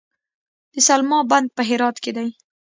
د سلما بند په هرات کې دی